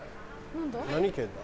何県だ？